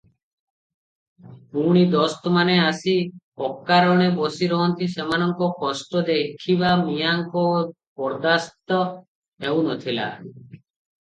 ପୁଣି ଦୋସ୍ତମାନେ ଆସି ଅକାରଣେ ବସି ରହନ୍ତି, ସେମାନଙ୍କର କଷ୍ଟ ଦେଖିବା ମିଆଁଙ୍କ ବରଦାସ୍ତ ହେଉ ନଥିଲା ।